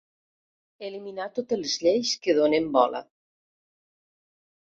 Eliminar totes les lleis que donen bola.